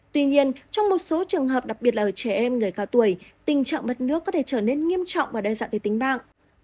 tuy nhiên trong một số trường hợp đặc biệt là ở trẻ em người cao tuổi tình trạng mất nước có thể trở nên nghiêm trọng và đe dọa tới tính mạng